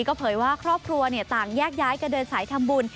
ก็เผยว่าครอบครัวต่างแยกย้ายกันเดินสายทำบุญ